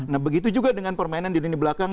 nah begitu juga dengan permainan di lini belakang